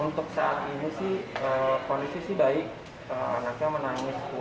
untuk saat ini sih kondisi baik anaknya menangis kuat gerakannya aktif